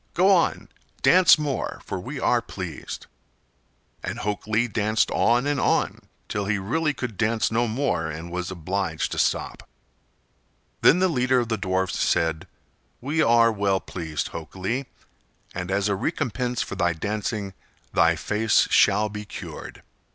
Go on—dance more, for we are pleased." And Hok Lee danced on and on, till he really could dance no more and was obliged to stop. Then the leader of the dwarfs said: "We are well pleased, Hok Lee, and as a recompense for thy dancing thy face shall he cured.